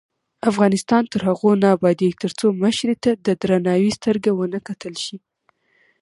افغانستان تر هغو نه ابادیږي، ترڅو مشرې ته د درناوي سترګه ونه کتل شي.